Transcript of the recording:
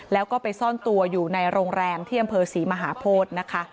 แล้วก็ไปซ่อนตัวอยู่ในโรงแรมที่อำเภอศรีมหาโพธินะคะ